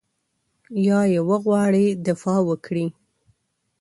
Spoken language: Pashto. یا یې وغواړي دفاع وکړي.